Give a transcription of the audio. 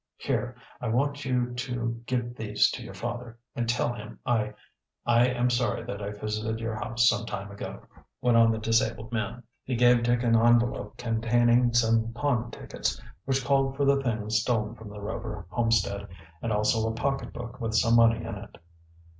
Here, I want you to give these to your father, and tell him I I am sorry that I visited your house some time ago," went on the disabled man. He gave Dick an envelope containing some pawn tickets which called for the things stolen from the Rover homestead, and also a pocketbook with some money in it.